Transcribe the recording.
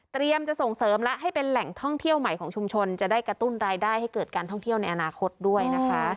จะส่งเสริมและให้เป็นแหล่งท่องเที่ยวใหม่ของชุมชนจะได้กระตุ้นรายได้ให้เกิดการท่องเที่ยวในอนาคตด้วยนะคะ